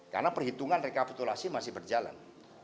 karena perhitungan rekapitulasi masih berjalan